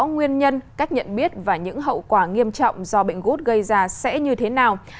nguyên nhân cách nhận biết và những hậu quả nghiêm trọng do bệnh gút gây ra sẽ như thế nào